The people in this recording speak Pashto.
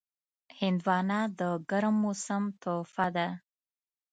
هندوانه د ګرم موسم تحفه ده.